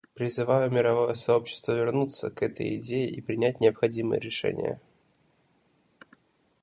Призываю мировое сообщество вернуться к этой идее и принять необходимые решения.